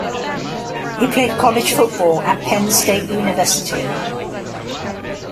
He played college football at Penn State University.